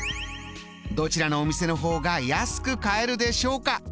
どちらのお店の方が安く買えるでしょうか？